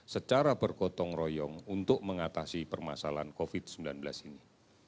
secara bergotong royong untuk mengatasi permasalahan covid sembilan belas ini